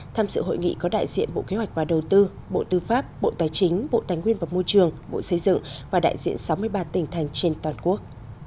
tham dự hội nghị có đại diện bộ kế hoạch và đầu tư bộ tư pháp bộ tài chính bộ tài nguyên và môi trường bộ xây dựng và đại diện sáu mươi ba tỉnh thành trên toàn quốc